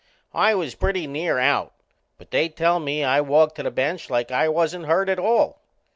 I was pretty near out, but they tell me I walked to the bench like I wasn't hurt at all.